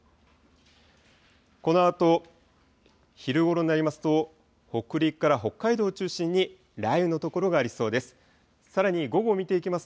このあと、昼ごろになりますと、北陸から北海道を中心に雷雨の所がありそうです。